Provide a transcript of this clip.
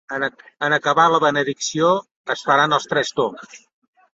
En acabar la benedicció es faran els Tres Tombs.